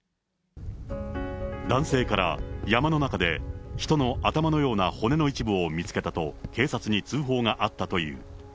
男性から、山の中で人の頭のような骨の一部を見つけたと、警察に通報があったという。